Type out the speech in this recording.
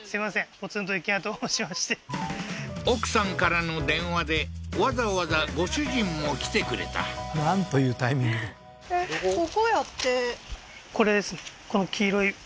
ポツンと一軒家奥さんからの電話でわざわざご主人も来てくれたなんというタイミングで分かりました？